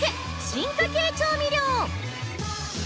進化系調味料」